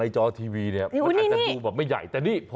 จอทีวีเนี่ยมันอาจจะดูแบบไม่ใหญ่แต่นี่พอ